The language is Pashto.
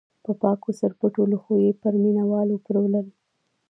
په پاکو سرپټو لوښیو یې پر مینه والو پلورل.